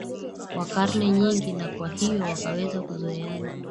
wa karne nyingi na kwa hiyo wakaweza kuzoeana